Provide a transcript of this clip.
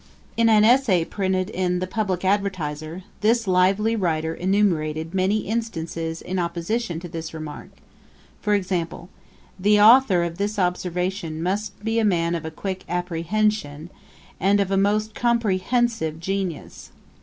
In an Essay printed in The Publick Advertiser, this lively writer enumerated many instances in opposition to this remark; for example, 'The authour of this observation must be a man of a quick apprehension, and of a most compre hensive genius.'